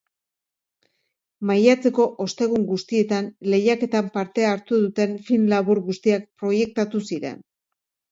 Maiatzeko ostegun guztietan lehiaketan parte hartu duten film labur guztiak proiektatu ziren.